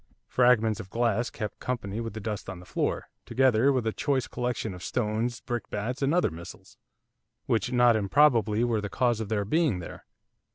Fragments of glass kept company with the dust on the floor, together with a choice collection of stones, brickbats, and other missiles, which not improbably were the cause of their being there.